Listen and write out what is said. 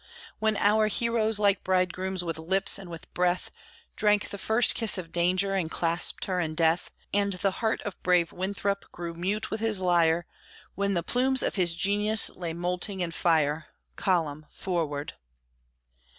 When our heroes, like bridegrooms, with lips and with breath, Drank the first kiss of Danger and clasped her in death; And the heart of brave Winthrop grew mute with his lyre, When the plumes of his genius lay moulting in fire "Column! Forward!"